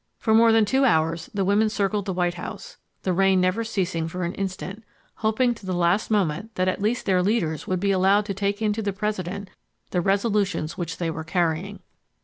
For more than two hours the women circled the White House—the rain never ceasing for an instant—hoping to the last moment that at least their leaders would be allowed to take in to the President the resolutions which they were carrying.